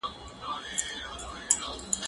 زه به سبا پلان جوړ کړم،